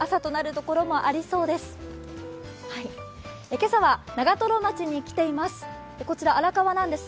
今朝は長瀞町に来ています。